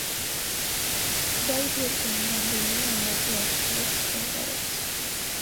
კუდაიბერგენი რამდენიმე ენაზე ასრულებს სიმღერებს.